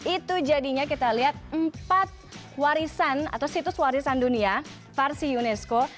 itu jadinya kita lihat empat warisan atau situs warisan dunia versi unesco